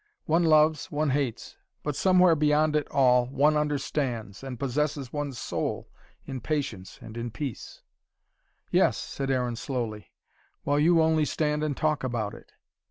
One loves, one hates but somewhere beyond it all, one understands, and possesses one's soul in patience and in peace " "Yes," said Aaron slowly, "while you only stand and talk about it.